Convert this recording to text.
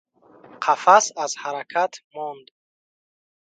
Қафас аз ҳаракат монд.